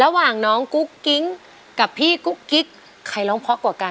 ระหว่างน้องกุ๊กกิ๊กกับพี่กุ๊กกิ๊กใครร้องเพราะกว่ากัน